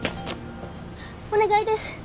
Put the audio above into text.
お願いです！